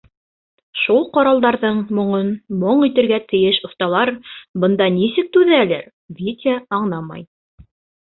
Шул ҡоралдарҙың моңон моң итергә тейеш оҫталар бында нисек түҙәлер, Витя аңламай.